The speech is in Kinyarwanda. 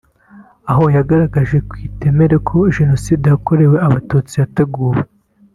aho yagaragaje kutemera ko Jenoside yakorewe Abatutsi yateguwe